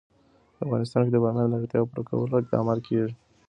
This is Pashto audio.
په افغانستان کې د بامیان د اړتیاوو پوره کولو لپاره اقدامات کېږي.